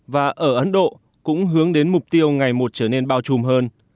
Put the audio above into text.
và ở ấn độ cũng hướng đến mục tiêu ngày một trở nên bao trùm hơn